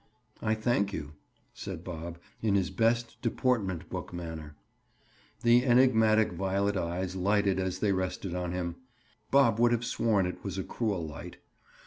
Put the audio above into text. "I thank you," said Bob, in his best deportment book manner. The enigmatic violet eyes lighted as they rested on him. Bob would have sworn it was a cruel light.